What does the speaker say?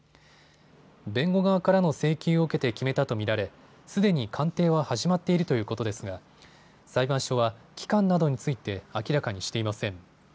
弁護側からの請求を受けて決めたと見られすでに鑑定は始まっているということですが裁判所は期間などについて明らかにしていません。